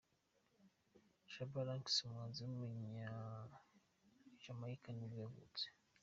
Shabba Ranks, umuhanzi w’umunyajamayika nibwo yavutse.